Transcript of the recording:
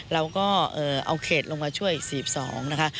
เราก็เอาเขตลงมาช่วยอีกสี่สิบสองนะคะ